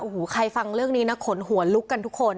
โอ้โหใครฟังเรื่องนี้นะขนหัวลุกกันทุกคน